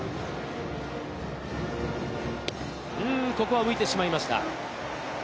ここは浮いてしまいました。